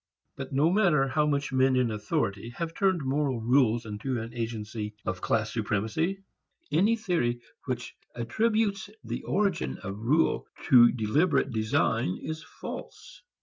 But no matter how much men in authority have turned moral rules into an agency of class supremacy, any theory which attributes the origin of rule to deliberate design is false.